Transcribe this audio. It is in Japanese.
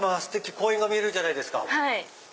公園が見えるじゃないですか。